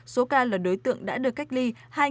số ca là đối tượng đã được cách ly